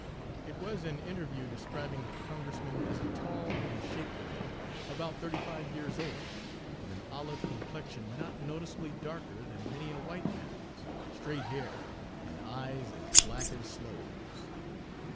It was an interview describing the Congressman as a tall and shapely man, about thirty five years old, with an olive complexion not noticeably darker than many a white man's, straight hair, and eyes as black as sloes.